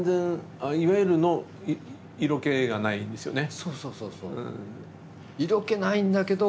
そうそうそうそう。